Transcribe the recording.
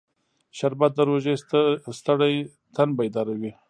شربت د روژې ستړی تن بیداروي